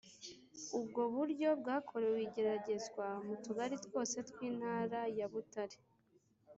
ubwo buryo bwakorewe igeragezwa mu tugari twose tw'intara ya butare